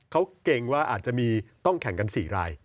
เขาเกรงว่าอาจจะมีต้องแข่งกัน๔ราย